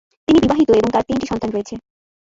তিনি বিবাহিত এবং তার তিনটি সন্তান রয়েছে।